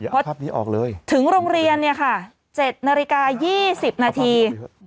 เพราะถึงโรงเรียนเนี้ยค่ะเจ็ดนาฬิกายี่สิบนาที